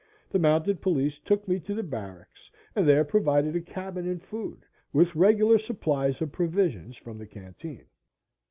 The mounted police took me to the barracks and there provided a cabin and food, with regular supplies of provisions from the canteen.